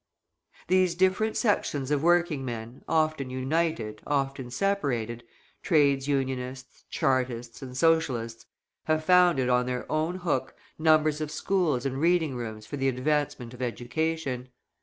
These different sections of working men, often united, often separated, Trades Unionists, Chartists, and Socialists, have founded on their own hook numbers of schools and reading rooms for the advancement of education.